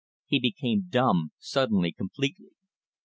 He became dumb, suddenly, completely.